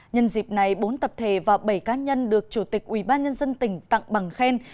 nhân dịp này bốn tập thể và bảy cá nhân được chủ tịch ubnd tỉnh tặng bằng khen